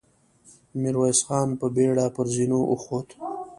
ميرويس خان په بېړه پر زينو وخوت.